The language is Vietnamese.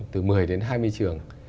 từ một mươi đến hai mươi trường